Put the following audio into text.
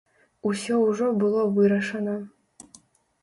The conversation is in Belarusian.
Усё ўжо было вырашана.